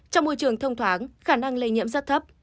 trong môi trường thông thoáng khả năng lây nhiễm rất thấp